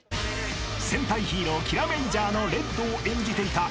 ［戦隊ヒーローキラメイジャーのレッドを演じていた